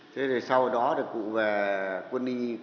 thế thì sau đó thì cụ về quân y